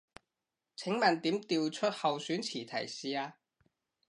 請問點調出候選詞提示啊